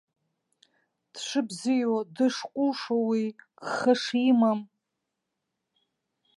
Дшыбзиоу, дышҟәышу уи, гха шимам.